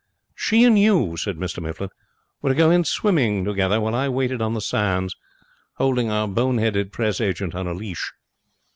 'She and you,' said Mr Mifflin, 'were to go in swimming together, while I waited on the sands, holding our bone headed Press agent on a leash.